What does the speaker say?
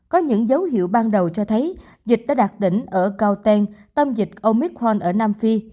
có những dấu hiệu ban đầu cho thấy dịch đã đạt đỉnh ở cao ten tâm dịch omicron ở nam phi